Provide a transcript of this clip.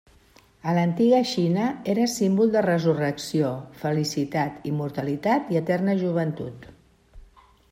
A l'Antiga Xina era símbol de resurrecció, felicitat, immortalitat i eterna joventut.